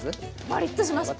パリッとします！